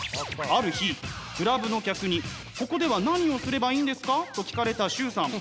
ある日クラブの客に「ここでは何をすればいいんですか？」と聞かれた崇さん。